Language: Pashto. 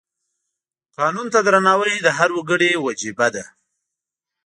قانون ته درناوی د هر وګړي وجیبه ده.